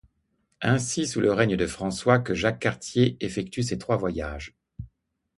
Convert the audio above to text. Ainsi, c’est sous le règne de François que Jacques Cartier effectue ses trois voyages.